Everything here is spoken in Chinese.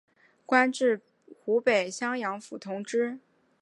官至湖北襄阳府同知。